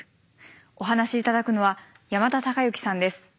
お話し頂くのは山田孝之さんです。